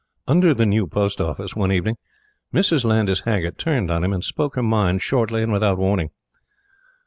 Under the new Post Office, one evening, Mrs. Landys Haggert turned on him, and spoke her mind shortly and without warning.